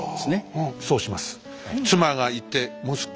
そうします。